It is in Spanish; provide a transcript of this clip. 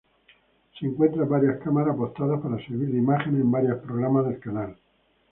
Se encuentran varias cámaras apostadas para servir de imágenes a varios programas del canal.